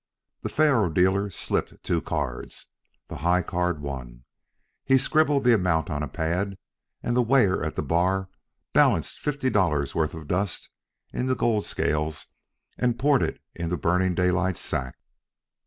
The faro dealer slipped two cards. The high card won. He scribbled the amount on a pad, and the weigher at the bar balanced fifty dollars' worth of dust in the gold scales and poured it into Burning Daylight's sack.